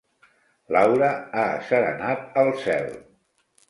L'aura ha asserenat el cel.